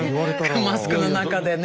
マスクの中でね。